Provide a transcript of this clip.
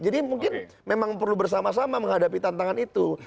jadi mungkin memang perlu bersama sama menghadapi tantangan itu